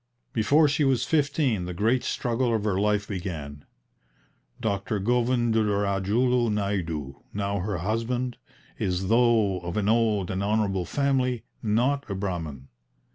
Before she was fifteen the great struggle of her life began. Dr. Govindurajulu Naidu, now her husband, is, though of an old and honourable family, not a Brahmin.